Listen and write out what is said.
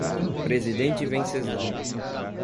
Presidente Venceslau